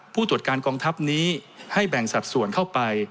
ผู้ตรวจการกองทัพนี้ให้แบ่งสัดส่วนเข้าไป